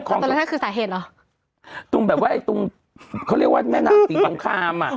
ตรงริมคองคือสาเหตุหรอตรงแบบว่าไอ้ตรงเขาเรียกว่าแม่น่ะตีต้องข้าม